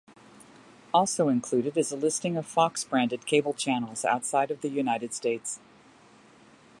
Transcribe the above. Also included is a listing of Fox-branded cable channels outside of the United States.